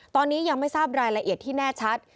ตอนนี้ยังไม่ทราบรายละเอียดที่แน่ชัด